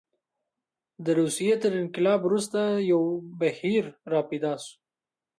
د روسیې تر انقلاب وروسته یو بهیر راپیدا شو.